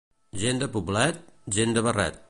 Gent de poblet, gent de barret.